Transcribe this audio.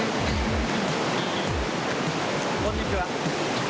こんにちは。